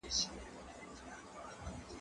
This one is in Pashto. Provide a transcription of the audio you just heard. ايا ته د کتابتون د کار مرسته کوې،